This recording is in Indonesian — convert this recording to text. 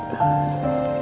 terima kasih nino